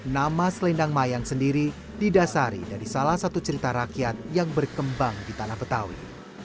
nama selendang mayang sendiri didasari dari salah satu cerita rakyat yang berkembang di tanah betawi